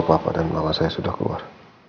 apa apa dan malah saya sudah keluar